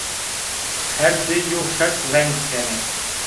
Her di yewfek veng kenê